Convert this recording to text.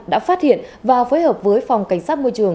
đã phát hiện và phối hợp với phòng cảnh sát môi trường